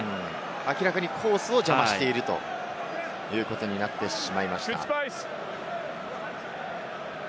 明らかにコースを邪魔しているということになってしまいました。